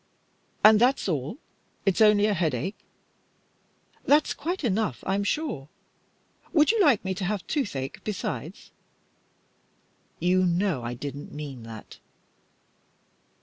"And that's all? It's only a headache?" "That's quite enough, I'm sure. Would you like me to have toothache besides?" "You know I didn't mean that."